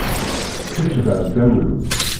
Kečč daεdaw-iw.